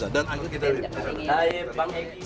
dan akhirnya kita akan menempatkan rizik di luar negeri